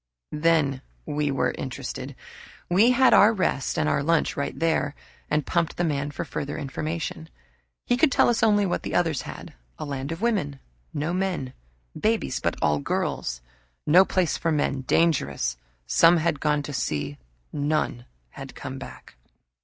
Then we were interested. We had our rest and lunch right there and pumped the man for further information. He could tell us only what the others had a land of women no men babies, but all girls. No place for men dangerous. Some had gone to see none had come back.